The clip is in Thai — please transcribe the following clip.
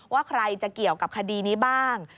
ว่าใครจะเกี่ยวกับคดีนี้บ้าง